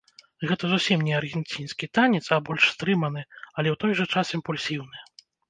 Гэта зусім не аргенцінскі танец, а больш стрыманы, але ў той жа час імпульсіўны.